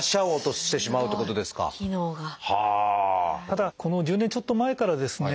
ただこの１０年ちょっと前からはですね